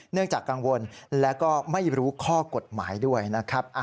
จากกังวลและก็ไม่รู้ข้อกฎหมายด้วยนะครับ